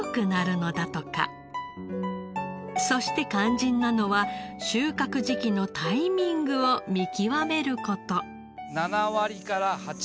そして肝心なのは収穫時期のタイミングを見極める事。